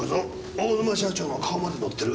大沼社長の顔まで載ってる。